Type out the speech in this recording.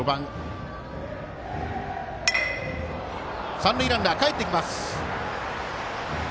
三塁ランナー、かえってきます。